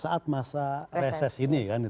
saat masa reses ini kan